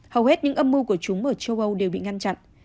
hầu hết những âm mưu của chúng ở châu âu đều bị ngăn chặn